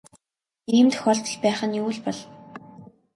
Ийм тохиолдол байх нь юу л бол.